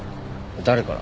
誰から？